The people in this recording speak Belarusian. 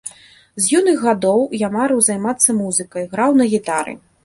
З юных гадоў я марыў займацца музыкай, граў на гітары.